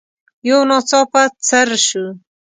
يو ناڅاپه څررر شو.